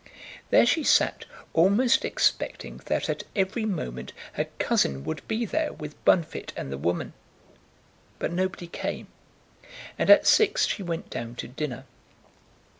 There she sat, almost expecting that at every moment her cousin would be there with Bunfit and the woman. But nobody came, and at six she went down to dinner.